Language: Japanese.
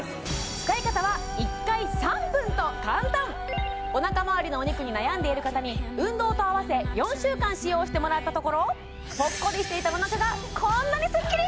使い方は１回３分と簡単お腹周りのお肉に悩んでいる方に運動と併せ４週間使用してもらったところぽっこりしていたお腹がこんなにスッキリ！